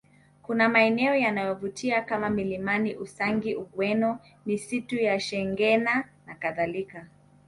Kuna maeneo yanayovutia kama milimani Usangi Ugweno misitu ya Shengena nakadhalika